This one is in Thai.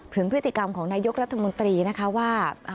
ถึงพฤติกรรมของนายกรัฐมนตรีนะคะว่า